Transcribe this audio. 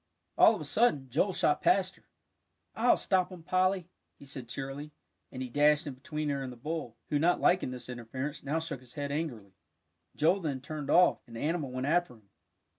All of a sudden, Joel shot past her. "I'll stop him, Polly," he said cheerily, and he dashed in between her and the bull, who, not liking this interference, now shook his head angrily. Joel then turned off, and the animal went after him.